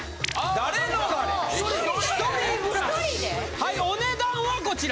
はいお値段はこちら！